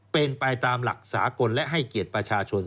เป็นไปตามหลักสากลและให้เกียรติประชาชน